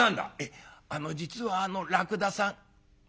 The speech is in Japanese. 「あの実はあのらくださん」。